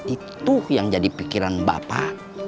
itu yang jadi pikiran bapak